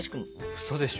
ウソでしょ。